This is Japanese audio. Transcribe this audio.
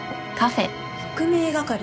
特命係？